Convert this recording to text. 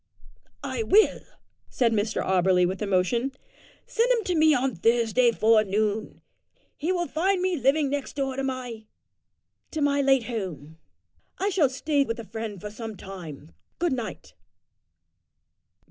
"I will," said Mr Auberly with emotion. "Send him to me on Thursday forenoon. He will find me living next door to my to my late home. I shall stay with a friend there for some time. Good night."